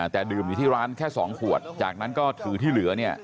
แต่ดื่มอยู่ที่ร้านแค่๒ขวดจากนั้นก็ถือที่เหลือเนี่ย